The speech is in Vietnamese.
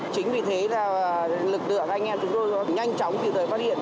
chính vì thế là lực lượng anh em chúng tôi nhanh chóng kịp thời phát hiện